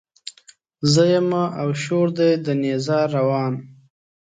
زه يمه او شور دی د نيزار روان